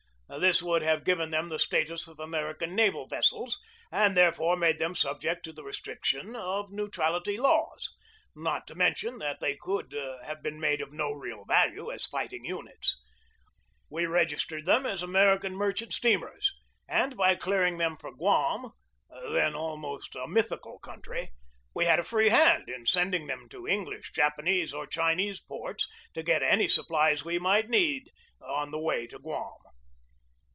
This would have given them the status of American naval vessels and therefore made them subject to the restrictions of neutrality laws, not to mention that they could have been made of no real value as fight ing units. We registered them as American mer chant steamers, and by clearing them for Guam, then almost a mythical country, we had a free hand in sending them to English, Japanese, or Chinese 192 GEORGE DEWEY ports to get any supplies we might need on the way to Guam.